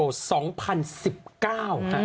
อืม